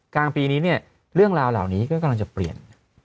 กลางปีนี้เนี่ยเรื่องราวเหล่านี้ก็กำลังจะเปลี่ยน